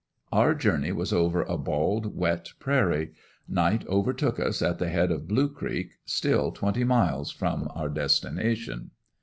Our journey was over a bald, wet prairie; night overtook us at the head of Blue creek, still twenty miles from our destination.